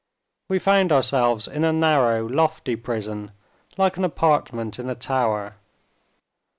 We found ourselves in a narrow, lofty prison, like an apartment in a tower.